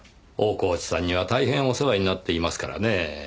大河内さんには大変お世話になっていますからねぇ。